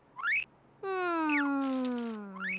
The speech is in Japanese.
うん。